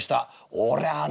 「俺はね